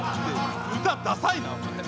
歌ダサいなお前。